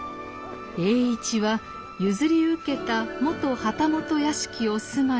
栄一は譲り受けた元旗本屋敷を住まいとし。